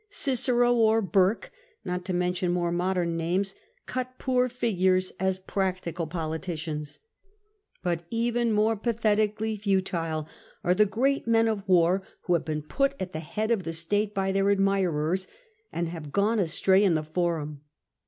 Cicero or Burke, not to mention more modern names, cut poor figures as practical politicians, but even more pathetically futile are the great men of war who have been put at the head of the state by their admirers, and have gone astray in the Forum.